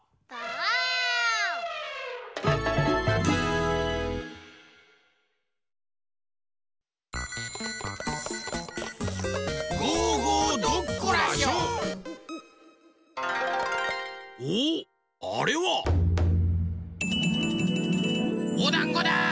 おおっあれは！おだんごだ！